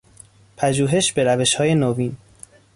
پژوهش به روشهای نوین